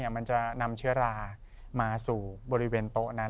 มันจะนำเชื้อรามาสู่บริเวณโต๊ะนั้น